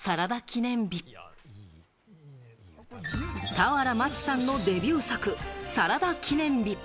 俵万智さんのデビュー作『サラダ記念日』。